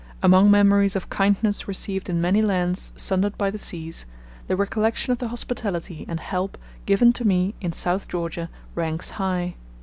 Among memories of kindness received in many lands sundered by the seas, the recollection of the hospitality and help given to me in South Georgia ranks high.